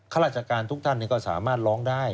ขราชการทุกท่านเนี่ยก็สามารถล้องได้